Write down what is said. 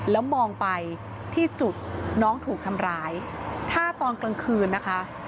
แล้วมองไปที่จุดน้องถูกทำร้ายถ้าตอนกลางคืนนะคะ